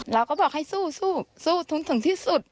เราก็บอกให้สู้สู้ถึงที่สุด